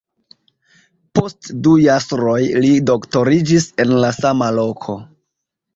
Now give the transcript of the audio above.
Post du jasroj li doktoriĝis en la sama loko.